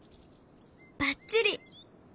ばっちり！